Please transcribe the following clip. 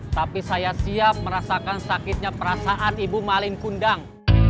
tapi saya siap merasakan sakitnya perasaan ibu maling kundang